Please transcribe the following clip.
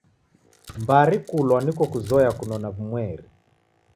Mbari kulwa niko kuzoya kunona w'umweri.